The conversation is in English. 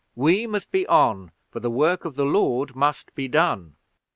We must be on, for the work of the Lord must be done."